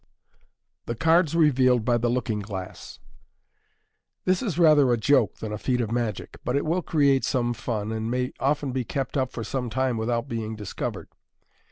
The Cards Revealed by thb Loo king Glass.— This is rather a joke than a feat of magic, but it will create some fun, and may often be kept up for some time without being discovered.